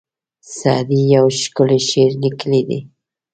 سعدي یو ښکلی شعر لیکلی دی.